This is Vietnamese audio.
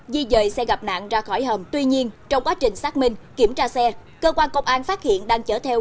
di dời xe gặp nạn ra khỏi hầm tuy nhiên trong quá trình xác minh kiểm tra xe cơ quan công an phát hiện đang chở theo